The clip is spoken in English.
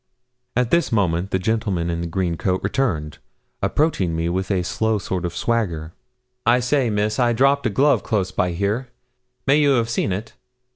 At this moment the gentleman in the green coat returned, approaching me with a slow sort of swagger. 'I say, Miss, I dropped a glove close by here. May you have seen it?'